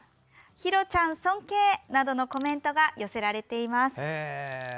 「ひろちゃん尊敬」などのコメントが寄せられています。